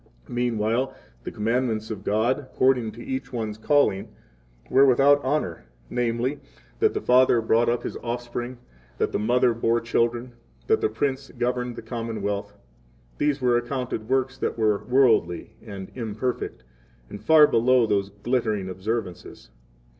Meanwhile the commandments of God, according to 10 each one's calling, were without honor namely, that the father brought up his offspring, that the mother bore children, that the prince governed the commonwealth,—these were accounted works that were worldly and imperfect, and far below those glittering observances.